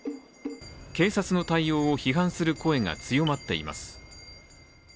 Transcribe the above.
警察の対応を批判する声が強まっています。